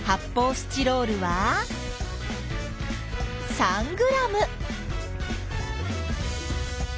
スチロールは３ｇ！